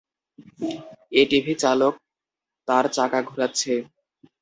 ATV চালক তার চাকা ঘুরাচ্ছে।